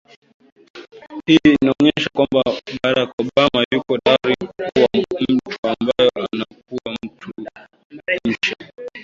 hii inaonyesha kwamba barack obama yuko tayari kuwa mtu ambayo anakuwa mtu msha